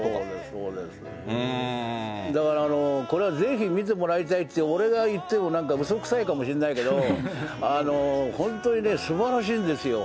だから、これはぜひ見てもらいたいって、俺が言っても、なんか嘘くさいかもしれないけど、本当にね、すばらしいんですよ。